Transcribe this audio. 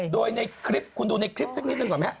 โดยในคลิปคุณดูในคลิปสักนิดหนึ่งก่อนไหมครับ